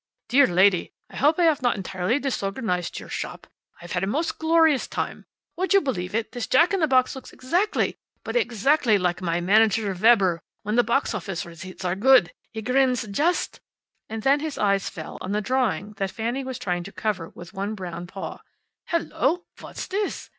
"Dear lady, I hope I have not entirely disorganized your shop. I have had a most glorious time. Would you believe it, this jack in the box looks exactly but exactly like my manager, Weber, when the box office receipts are good. He grins just " And then his eye fell on the drawing that Fanny was trying to cover with one brown paw. "Hello! What's this?"